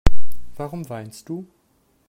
Warum weinst du?